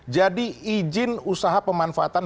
jadi izin usaha pemanfaatan